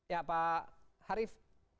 ya pak harief